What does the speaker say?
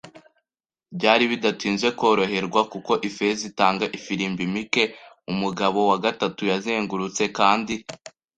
byari bidatinze koroherwa, kuko Ifeza itanga ifirimbi mike, umugabo wa gatatu yazengurutse kandi